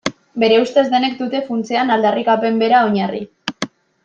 Bere ustez denek dute funtsean aldarrikapen bera oinarri.